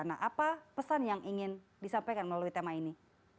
nah apa pesan yang ingin disampaikan melalui tema ini